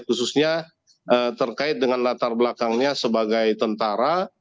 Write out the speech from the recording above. khususnya terkait dengan latar belakangnya sebagai tentara